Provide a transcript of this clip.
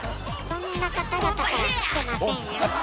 そんな方々から来てませんよ。